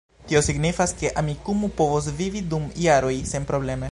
Tio signifas, ke Amikumu povos vivi dum jaroj senprobleme